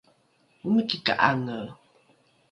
omiki ka’ange